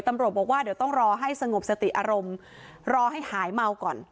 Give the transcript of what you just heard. ตำรวจบอกว่าเดี๋ยวต้องรอให้สงบสติอารมณ์รอให้หายเมาก่อน